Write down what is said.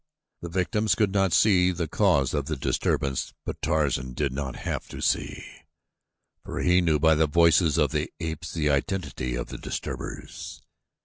The victims could not see the cause of the disturbance, but Tarzan did not have to see, for he knew by the voices of the apes the identity of the disturbers.